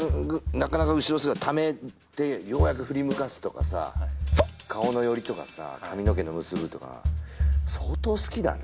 なかなか後ろ姿ためてようやく振り向かすとかさ顔の寄りとかさ髪の毛の結ぶとか相当好きだね